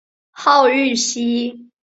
号玉溪。